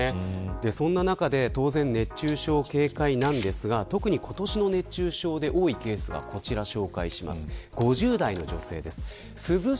そんな中で、当然熱中症警戒なんですが特に今年の熱中症で多いケースがこちらです。